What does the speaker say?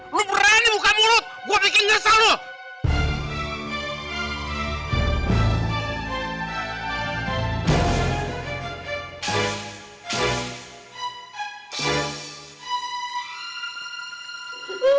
lu berani buka mulut gua bikin nyesel lu